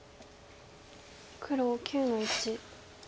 黒９の一。